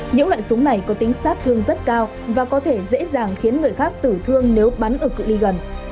những loại súng này có tính sát thương rất cao và có thể dễ dàng khiến người khác tử thương nếu bắn ở cự li gần